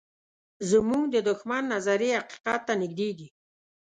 زموږ د دښمن نظریې حقیقت ته نږدې دي.